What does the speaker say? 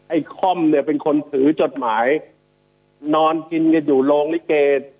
ค่อมเนี่ยเป็นคนถือจดหมายนอนกินกันอยู่โรงลิเก